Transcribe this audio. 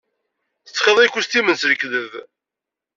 Yettxiḍi ikustimen s lekdeb.